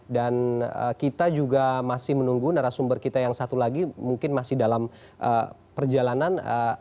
dan kita juga masih menunggu narasumber kita yang satu lagi mungkin masih dalam perjalanan